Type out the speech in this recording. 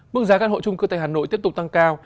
mức giá căn hộ trung cư tại hà nội tiếp tục tăng cao